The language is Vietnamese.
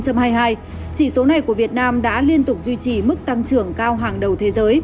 chỉ số này của việt nam đã liên tục duy trì mức tăng trưởng cao hàng đầu thế giới